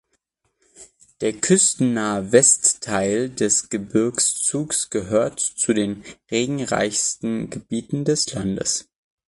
Der küstennahe Westteil des Gebirgszugs gehört zu den regenreichsten Gebieten des Landes.